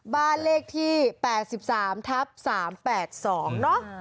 บ้านเลขที่๘๓ทับ๓๘๒เนอะ